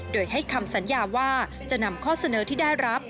โดยให้คำสัญญาว่าจะนำข้อเสนอที่ได้รับ